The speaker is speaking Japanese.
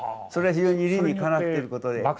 それは非常に理にかなってることで。